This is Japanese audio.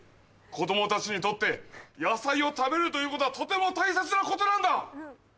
子供たちにとって野菜を食べるということはとても大切なことなんだ！